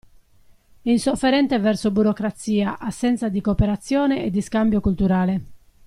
È insofferente verso burocrazia, assenza di cooperazione e di scambio culturale.